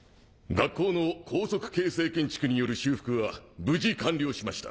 学校の高速形成建築による修復は技完了しました。